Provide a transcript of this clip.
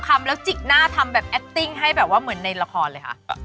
คำแล้วจิกหน้าทำแบบแอคติ้งให้แบบว่าเหมือนในละครเลยค่ะ